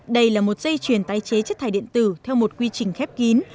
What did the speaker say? đây là một dây chuyền tái chế chất thải điện tử theo một quy trình khép kín